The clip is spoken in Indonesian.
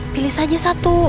pilih saja satu